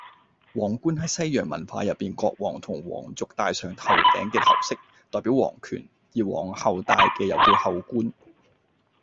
王冠係西洋文化入面國王同王族戴上頭頂嘅頭飾，代表王權。而王后戴嘅又叫后冠